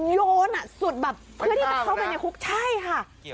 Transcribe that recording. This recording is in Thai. มีโลนสุดแบบเพื่อที่จะเข้าไปในคุกใช่ค่ะ